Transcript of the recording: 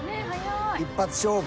一発勝負。